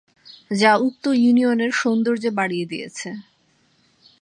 যা উক্ত ইউনিয়নের সৌন্দর্য বাড়িয়ে দিয়েছে।